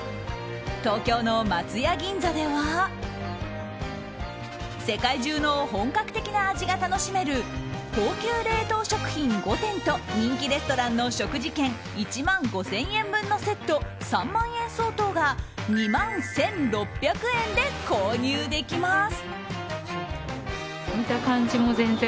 東京の松屋銀座では世界中の本格的な味が楽しめる高級冷凍食品５点と人気レストランの食事券１万５０００円分のセット３万円相当が２万１６００円で購入できます。